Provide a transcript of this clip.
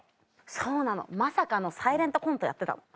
そうなのまさかのサイレントコントやってたの。